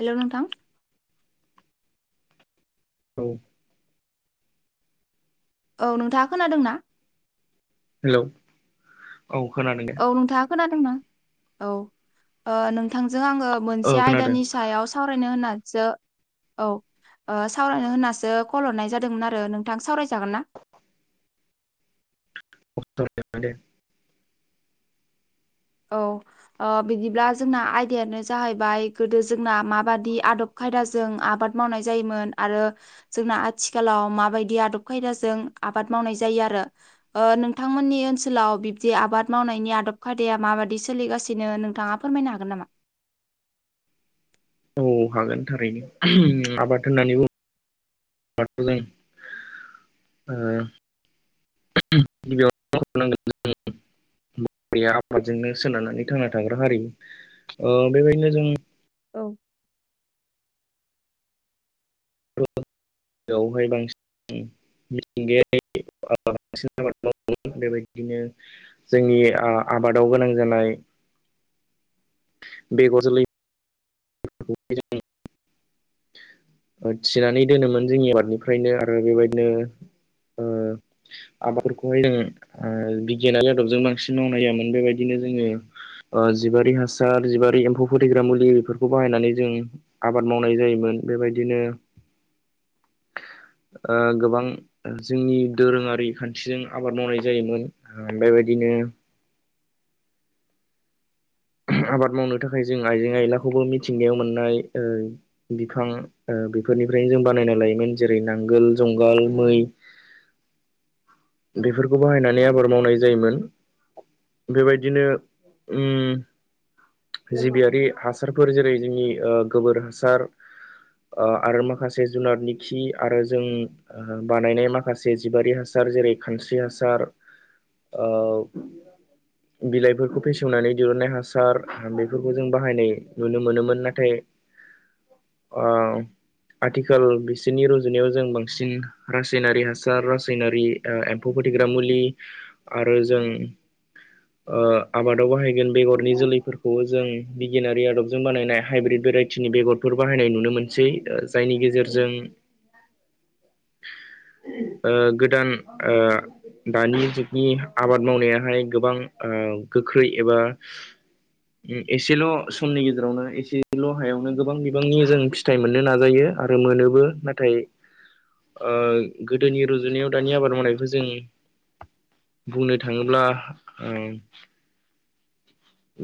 हेल' नोंथां औ औ नोंथाङा खोनादों ना? हेलौ औ खोनादों दे औ नोंथाङा खोनादोंना औ नोंथांजों आङो औ मोनसे खोनादों आयदानि सायाव सावरायनो होननानैसो औ सावरायनो होननासो कल हरनाय जादोंमोन आरो नोंथां सावरायजागोन ना? औ सावराय जागोन दे औ बिदिब्ला जोंना आयदायानो जाहैबाय गोदो जोंना माबादि आदब खायदाजों आबाद मावनाय जायोमोन आरो जोंना आथिखालाव माबायदि आदब खायदाजों आबाद मावनाय जायो आरो ओ नोंथांमोननि ओनसोलाव बिब्दि आबाद मावनायनि आदब खाय दाया माबायदि सोलिगासिनो नोंथाङा फोरमायनो हागोन नामा? औ हागोन थारैनो आबाद होननानै बुङोबाथ' जों ओ गिबियावनो मख' नांगोन गैया आबादजोंनो सोनारनानै थांना थाग्रा हारि ओ बेबायदिनो जों औ बेवहाय बांसिन मिथिंगारि [unintelligible] बेबायदिनो जोंनि ओ आबादाव गोनां जानाय बेगर जोलै [unintelligible] थिनानै दोनोमोन जोंनि आबादनिफ्रायनो आरो बेबायदिनो ओ आबादफोरखौहाय जों बिगियानारि आदबजों बांसिन मावनाय जायामोन बेबायदिनो जोङो जिबारि हासार जिबारि एम्फौ फथैग्रा मुलि बेफोर- खौ बाहायनानै जों आबाद मावनाय जायोमोन बेबायदिनो [inaudible] ओ गोबां जोंनि दोरोङारि खान्थिजों आबाद मावनाय जायोमोन उम बेबायदिनो आबाद मावनो थाखाय जों आइजें आयलाखौबो मिथिंगायाव मोननाय‌ ओ बिफां बेफोरनिफ्रायनो जों बानायना लायोमोन जेरै नांगोल जुंगाल मै बेफोरखौ बाहायनानै आबाद मावनाय जायोमोन बेबायदिनो उम जिबियारि हासारफोर जेरै जोंनि ओ गोबोर हासार आरो माखासे जुनारनि खि आरो जों बानायनाय माखासे जिबारि हासार जेरै खानस्रि हासार बिलाइफोरखौ फेसेवनानै दहुननाय हासार बेफोरखौ जों बाहायनाय नुनो मोनोमोन नाथाय ओ आथिखाल बिसोरनि रुजुनायाव जों बांसिन रासायनारि हासार रासायनारि ओ एम्फौ फोथैग्रा मुलि आरो जों ओ आबादाव बाहायगोन बेगरनि जोलैफोरखौ खौ जों बिगियारि आदबजों बानायनाय हाइब्रिद भेराइटिनि बेगरफोर बाहायनाय नुनो मोनसै ओ जायनि गेजेरजों [inaudible] ओ गोदान ओ दानि जुगनि आबाद मावनायाहाय गोबां ओ गोख्रै एबा ओ एसेल' समनि गेजेरावनो एसेल' हायावनो गोबां बिबांनि जों फिथाइ मोननो नाजायो आरो मोनोबो नाथाय ओ गोदोनि रुजुनायाव दानि आबाद मावनायखौ जों बुंनो थाङोब्ला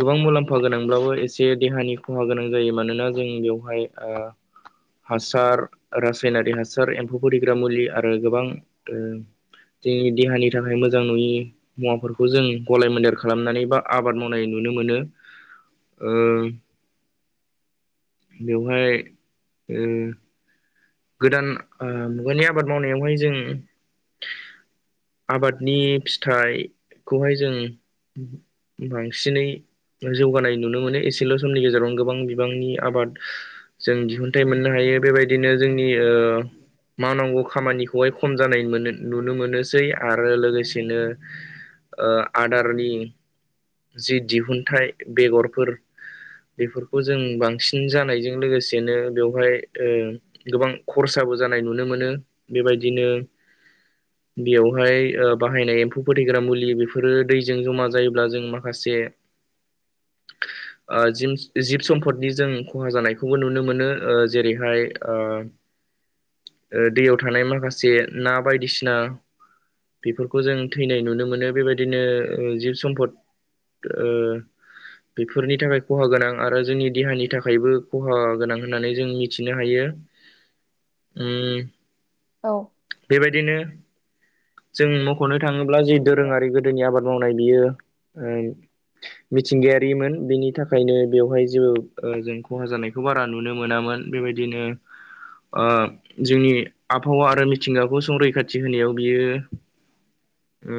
गोबां मुलाम्फा खहा गोनांब्लाबो एसे देहानि खहा गोनां जायो मानोना जों बेवहाय ओ हासार रासायनारि हासार एम्फौ फिग्रा मुलि आरो गोबां ओ जोंनि देहानि थाखाय मोजां नङि मुवाफोरखौ जों गलाय मेन्देर खालामनानै बा आबाद मावनाय नुनो मोनो ओ बेवहाय ओ गोदान ओ मुगानि आबाद मावनायावहाय जों आबादनि फिथाइखौहाय जों बांसिनै जौगानाय नुनो मोनो एसेल' समनि गेजेरावनो गोबां बिबांनि आबाद जों दिहुनथाइ मोननो हायो बेबायदिनो जोंनि ओ मावनांगौ खामानिखौहाय खम जानाय मोनो नुनो मोनोसै आरो लोगोसेनो ओ आदारनि जि दिहुनथाइ बेगरफोर बेफोरखौ जों बांसिन जानायजों लोगोसेनो बेवहाय ओ गोबां खरसाबो जानाय नुनो मोनो बेबायदिनो बेवहाय ओ बाहायनाय एम्फौ फोथैग्रा मुलि बेफोरो दैजों जमा जायोब्ला जों मा माखासे [inaudible] जो जिमस जिब सम्पदनि जों खहा जानायखौबो नुनो मोनो ओ जेरैहाय ओ [inaudible] ओ दैयाव थानाय माखासे ना बायदिसिना बेफोरखौ जों थैनाय नुनो मोनो बेबायदिनो जिब सम्पद ओ बेफोरनि थाखाय खहा गोनां आरो जोंनि देहानि थाखायबो खहा गोनां होननानै जों मिथिनो हायो [unintelligible] ओम औ बेबायदिनो जों मख'नो थाङोब्ला जि दोरोङारि गोद गोदोनि आबाद मावनाय बियो ओ मिथिंगायारिमोन बिनि थाखायनो बेवहाय जेबो ओ जों खहा जानाय खौ बारा नुनो मोनामोन बेबायदिनो जोंनि आबहावा आरो मिथिंगाखौ संरैखाथि होनायाव बियो ओ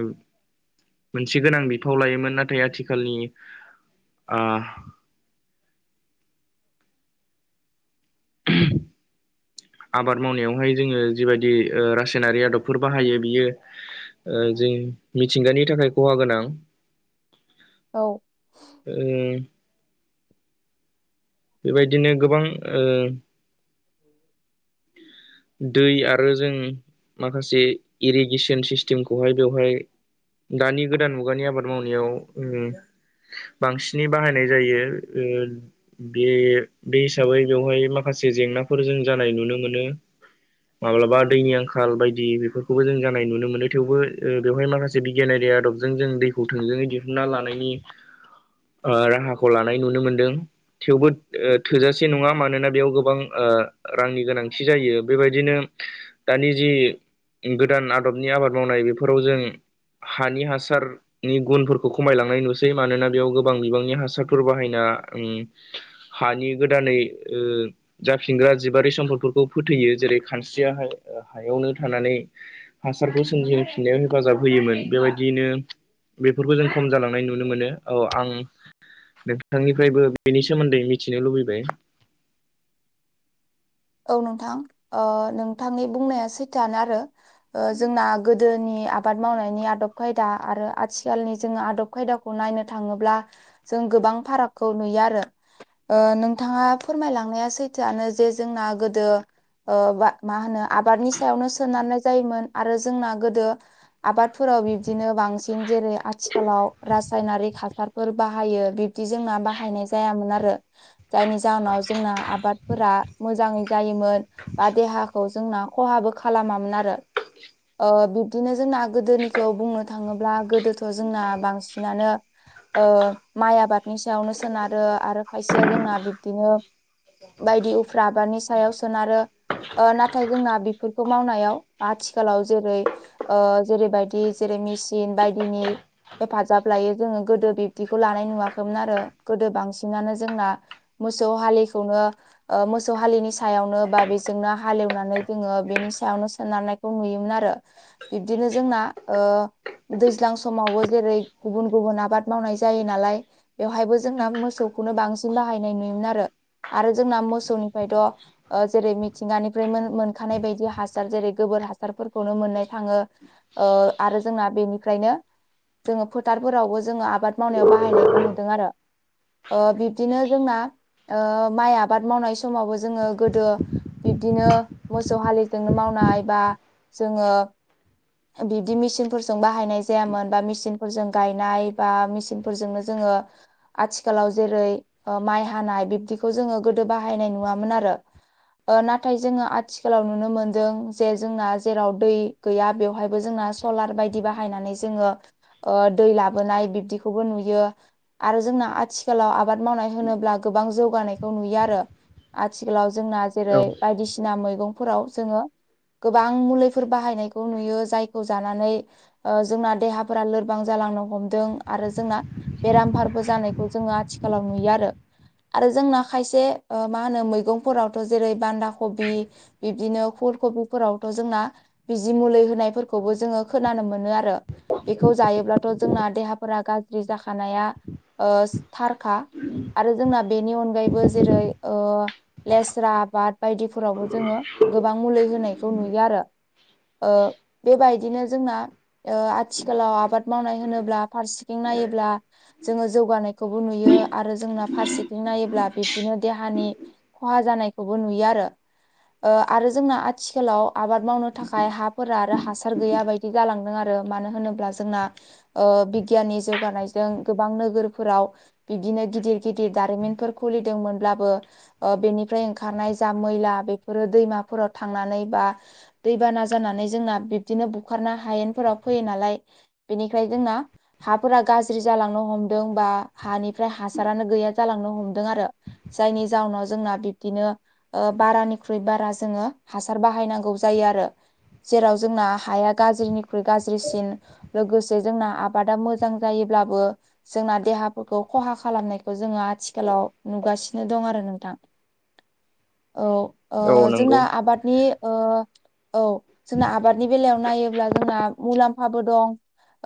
मोनसे गोनां बिफ फाव खावलायोमोन नाथाय आथिखालनि आ [inaudible] आबाद मावनायावहाय जोङो जिबायदि ओ रासायनारि आदबफोर बाहायो बियो ओ जों मिथिंगानि थाखाय खहा गोनां औ ओ बेबायदिनो गोबां ओ उ दै आरो जों माखासे इरिगेसन सिस्टेमखौहाय बेवहाय दानि गोदान मुगानि आबाद मावनायाव बांसिनै बाहायनाय जायो बे बे हिसाबै बेवहाय माखासे जेंनाफोर जों जानाय नुनो मोनो माब्लाबा दैनि आंखाल बायदि बेफोरखौबो जों जानाय नुनो मोनो थेवबो बेवहाय माखासे ज बिगियानारि आदबजों जों दैखौ थोंजोङै दिहुनना लानायनि [inaudible] राहाखौ लानाय नुनो मोनदों थेवबो थोजासे नङा मानोना बेयाव गोबां रांनि गोनांथि जायो बेबायदिनो दानि जि गोदान आदबनि आबाद मावनाय बेफोराव जों हानि हासार नि गुनफोरखौ खमायलांनाय नुसै मानोना बेयाव गोबां बिबांनि हासारफोर बाहायना हानि गोदानै जाफिनग्रा जिबारि सम्पदफोरखौ फोथैयो जेरै खानस्रिया हायावनो थानानै हासारखौ सोमजिफिननायाव हेफाजाब होयोमोन बेबायदियैनो बेफोरखौ जों खम जालांनाय नुनो मोनो औ आं नोंथांनिफ्रायबो बेनि सोमोन्दै मिथिनो लुबैबाय औ नोंथां नोंथांनि बुंनाया सैथानो आरो जोंना गोदोनि आबाद मावनायनि आदब खायदा आरो आथिखालनि जोङो आदब खायदाखौ खौ नायनो थाङोब्ला जों गोबां फारागखौ नुयो आरो नोंथाङा फोरमायलांनाया सैथोआनो जे जोंना गोदो मा होनो आबादनि सायावनो सोनारनाय जायोमोन आरो जोंना गोदो आबादफोराव बिबदिनो बांसिन जेरै आथिखालाव रासायनारिक हासार फोर बाहायो बिब्दि जोंना बाहायनाय जायामोन आरो जायनि जाहोनाव जोंना आबादफोरा मोजाङै जायोमोन बा देहाखौ जोंना खहाबो खालामामोन आरो बिब्दिनो जोंना गोदोनिखौ बुंनो थाङोब्ला गोदोथ' जोंना बांसिनानो माइ आबादनि सायावनो सोनारो आरो खायसेया जोंना बिब्दिनो बायदि उफ्रा आबादनि सायाव सोनारो नाथाय जोंना बेफोरखौ मावनायाव आथिखालाव जेरै जेरैबायदि जेरै मेसिन बायदिनि हेफाजाब लायो जोङो गोदो बिब्दिखौ लानाय नुवाखैमोन आरो गोदो बांसिनानो जोंना मोसौ हाललिखौनो मोसौ हालिनि सायावनो बा बेजोंनो हालेवनानै जोङो बेनि सायावनो सोनारनायखौ नुयोमोन आरो बिब्दिनो जोंना दैज्लां समावबो जेरै गुबुन गुबुन आबाद मावनाय जायो नालाय बेवहायबो जोंना मोसौखौनो बांसिन बाहायनाय नुयोमोन आरो आरो जोंना मोसौनिफ्रायथ' जेरै मिथिंगानिफ्राय मोनखानाय बायदि हासार जेरै गोबोर हासारफोरखौनो मोननाय थाङो आरो जोंना बेनिफ्रायनो जोङो फोथारफोरावबो जोङो आबाद मावनायाव बाहायनायखौ नुदों आरो बिब्दिनो जोंना माइ आबाद मावनाय समावबो जोङो गोदो बिब्दिनो मोसौ हाललिजोंनो मावनाय बा जोङो बिब्दि मेचिनफोरजों बाहायनाय जायामोन बा मेचिनफोरजों गायनाय बा मेचिनफोरजोंनो जोङो आथिखालाव जेरै माइ हानाय बिब्दिखौ जोङो गोदो बाहायनाय नुवामोन आरो नाथाय जोङो आथिखालाव नुनो मोनदों जे जोंना जेराव दै गैया बेयाव बेहायबो जोंना सलार बायदि बाहायनानै जोङो दै लाबोनाय बिब्दिखौबो नुयो आरो जोंना आथिखालाव आबाद मावनाय होनोब्ला गोबां जौगानायखौ नुयो आरो आथिखालाव जोंना जेरै बायदिसिना मैगंफोराव जोङो गोबां मुलिफोर बाहायनायखौ नुयो। जायखौ जानानै ओ जोंना देहाफोरा लोरबां जालांनो हमदों आरो जोंना बेराम फारबो जानायखौ जोङो आथिखालाव नुयो आरो। आरो जोंना खायसे ओ मा होनो मैगंफोरावथ' जेरै बान्दा खबि बिब्दिनो फुल कबिफोरावथ' जोंना बिजि मुलि होनायफोर खौबो जोङो खोनानो मोनो आरो। बेखौ जायोब्लाथ' जोंना देहाफोरा गाज्रि जाखानाया ओ थारखा। आरो जोंना बेनि अनगायैबो जेरै ओ लेस्रा आबाद बायदिफोरावबो जोङो गोबां मुलि होनाय खौ नुयो आरो ओ बेबायदिनो जोंना आथ थिखालाव आबाद मावनाय होनोब्ला फारसेथिं नायोब्ला जोङो जौगानायखौबो नुयो आरो जोंना फारसेथिं नायोब्ला बिब्दिनो देहानि ख'हा जानायखौबो नुयो आरो ओ आरो जोंना आथिखालाव आबाद मावनो थाखाय हाफोरा आरो हासार गैया बायदि जालांदों आरो मानो होनोब्ला जोंना ओ बिगियाननि जौगानायजों गोबां नोगोरफोराव बिदिनो गिदिर गिदिर दारिमिनफोर खुलिदोंमोनब्लाबो ओ बेनिफ्राय ओंखारनाय जा मैला बेफोरो दैमाफोराव थांनानै बा दैबाना जानानै जोंना बिब्दिनो बुखारना हायेनफोराव फैयो नालाय। बिनिखाय जोंना हाफोरा गाज्रि जालांनो हमदों बा हानिफ्राय हासारानो गैया जालांनो हमदों आरो। जायनि जाहोनाव जोंना बिब्दिनो ओ बारानिख्रुइ बारा जोङो हासार बाहायनांगौ जायो आरो जेराव जोंना हाया गाज्रिनिख्रुइ गाज्रिसिन लोगोसे जोंना आबादा मोजां जायोब्लाबो जोंना देहाफोरखौ ख'हा खालामनायखौ जोङो आथिखालाव नुगासिनो दं आरो नोंथां। औ ओ औ नंगौ जोंना आबादनि ओ औ जोंना आबादनि बेलायाव नायोब्ला जोंना मुलाम्फाबो दं।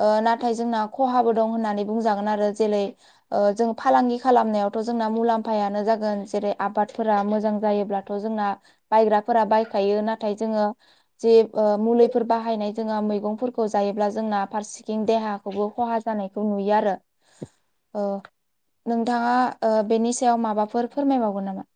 ओ नाथाय जोंना ख'हाबो दं होननानै बुंजागोन आरो जेरै ओ जों फालांगि खालामनायावथ' जोंना मुलाम्फायानो जागोन जेरै आबादफोरा मोजां जायोब्ला थ' जोंना बायग्राफोरा बायखायो नाथाय जोङो जि ओ मुलि फोर बाहायनाय जोंहा मैगंफोरखौ जायोब्ला जोंना फारसेथिं देहाखौबो ख'हा जानायखौ नुयो आरो। औ नोंथाङा ओ बेनि सायाव माबाफोर फोरमाय बावगोन नामा?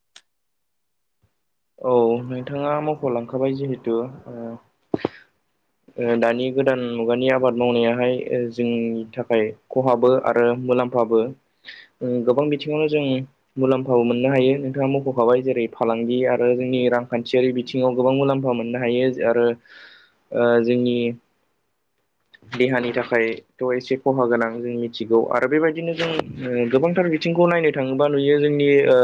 औ नोंथाङा मख'लांखाबाय जिहेथु ओ [unintelligible] ओ दानि गोदान मुगानि आबाद मावनायाहाय जोंनि थाखाय ख'हाबो आरो मुलाम बाबो ओ गोबां बिथिङावनो जों मुलाम्फाबो मोननो हायो नोंथाङा मख'खाबाय जेरै फालांगि आरो ओ जोंनि रांखान्थियारि बिथिङाव गोबां मुलाम्फा मोननो हायो आरो ओ जोंनि देहानि थाखाय थ' एसे ख'हा गोनां जों मिथिगौ आरो बेबायदिनो जों उम गोबांथार बिथिंखौ नायनो थाङोबा नुयो जोंनि ओ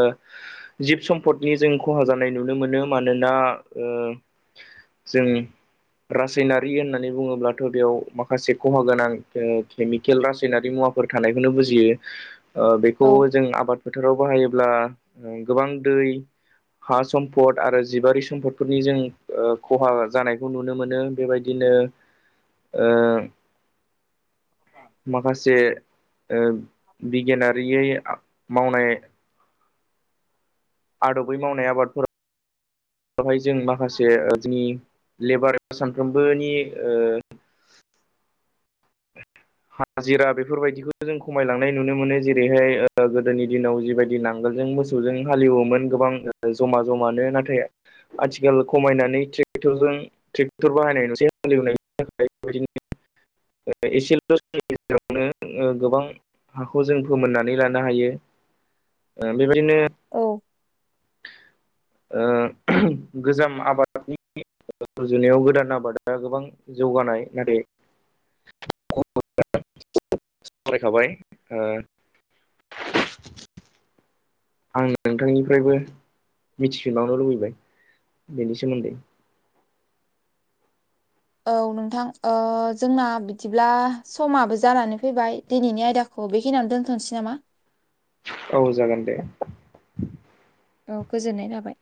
जिब सम्पदनि जों ख'हा जानाय नुनो मोनो मानोना ओ जों रासायनारि होननानै बुङोब्लाथ' बेयाव माखासे ख'हा गोनां ओ केमिकेल रासायनारि मुवाफोर थानायखौनो बुजियो। ओ बेखौ औ जों आबाद फोथाराव बाहायोब्ला ओं गोबां दै हा सम्पद आरो जिबारि सम्पदफोरनि जों ओ ख'हा जानायखौ नुनो मोनो बेबायदिनो ओ माखासे ओ बिगियानारियै आ मावनाय आदबै मावनाय आबादफोर [inaudible] हाय जों माखासे ओ जोनि लेबार सानफ्रोमबोनि ओ [inaudible] हाजिरा बेफोरबायदिखौ जों खमायलांनाय नुनो मोनो जेरैहाय ओ गोदोनि दिनाव जिबायदि नांगोलजों मोसौ मोसौजों हालेवोमोन गोबां जमा जमानो नाथाय आथिखाल खमायनानै ट्रेक्टरजों ट्रेक्टर बाहायनाय नुसै हालेवनायनि थाखाय बेबायदिनो एसेल'नि गेजेरावनो गोबां हाखौ जों फोमोननानै लानो हायो बेबायदिनो औ ओ गोजाम आबादनि [unintelligible] रुजुनायाव गोदान आबादा गोबां जौगानाय नाथाय [unintelligible] फरायखाबाय ओ [unintelligible] आं नोंथांनिफ्रायबो मिथिफिनलांनो लुबैबाय बेनि सोमोन्दै औ नोंथां ओ जोंना बिदिब्ला समाबो जानानै फैबाय दिनैनि आयदाखौ औ बेखिनियावनो दोनथ'नोसै नामा? औ जागोन दे औ गोजोननाय थाबाय